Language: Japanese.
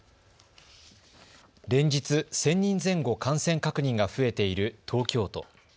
連日１０００人前後感染確認が増えている東京都。